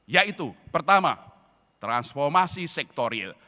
yaitu pertama transformasi sektor real